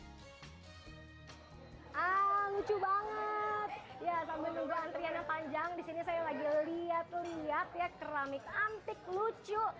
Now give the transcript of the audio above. ah lucu banget ya sambil nunggu antrian yang panjang disini saya lagi lihat lihat ya keramik antik lucu